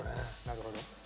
なるほど。